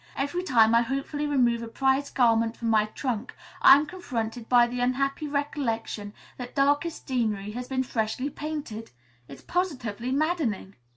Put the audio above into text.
Every time I hopefully remove a prized garment from my trunk, I am confronted by the unhappy recollection that darkest Deanery has been freshly painted. It's positively maddening!